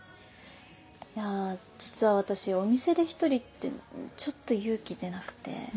いや実は私お店で１人ってちょっと勇気出なくて。